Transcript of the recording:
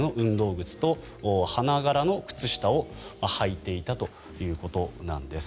靴と花柄の靴下をはいていたということなんです。